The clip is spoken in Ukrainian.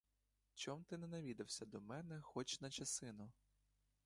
Чом ти не навідався до мене хоч на часину?